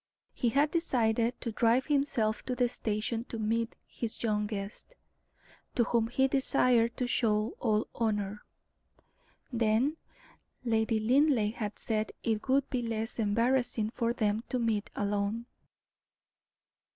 He had decided to drive himself to the station to meet his young guest, to whom he desired to show all honor; then Lady Linleigh had said it would be less embarrassing for them to meet alone.